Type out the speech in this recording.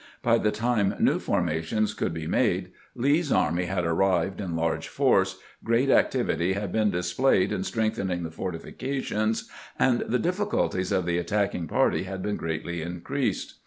By the time new formations could be made Lee's army had arrived in large force, great activity had been displayed in strengthening the fortifications, and the difficulties of the attacking party had been greatly increased.